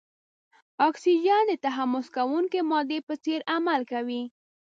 اکسیجن د تحمض کوونکې مادې په څېر عمل کوي.